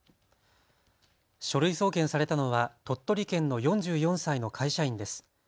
書類送検されたのは鳥取県の４４歳の会社員です。